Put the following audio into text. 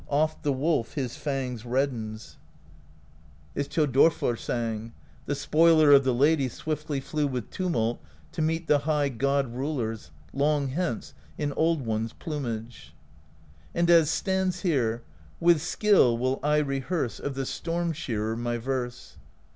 Oft the wolf his fangs reddens. 2i6 PROSE EDDA As Thjodolfr sang: The Spoiler of the Lady Swiftly flew with tumult To meet the high God Rulers, Long hence, in Old One's plumage/ And as stands here: With skill will I rehearse Of the Storm Shearer my verse.